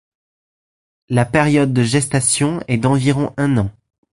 La période de gestation est d'environ un an.